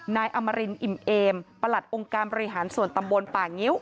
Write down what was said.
นายอมรินอิ่มเอมประหลัดองค์การบริหารส่วนตำบลป่างิ้ว